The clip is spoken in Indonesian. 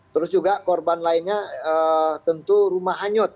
terus juga korban lainnya tentu rumah hanyut